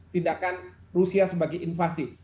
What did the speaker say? tindakan rusia sebagai invasi